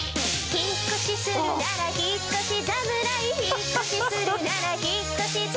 「ひっこしするなら引越し侍」「ひっこしするなら引越し侍」